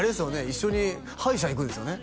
一緒に歯医者行くんですよね？